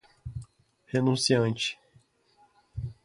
renunciante